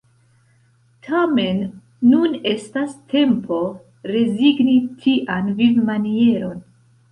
Tamen nun estas tempo rezigni tian vivmanieron.